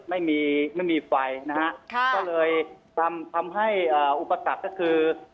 ไม่มีไม่มีไฟนะฮะค่ะก็เลยทำทำให้อ่าอุปกรณ์ก็คือ